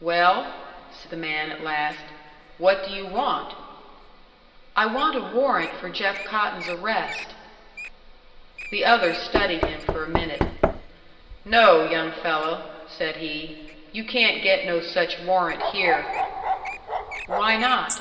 "Well," said the man, at last, "what do you want?" "I want a warrant for Jeff Cotton's arrest." The other studied him for a minute. "No, young fellow," said he. "You can't get no such warrant here." "Why not?"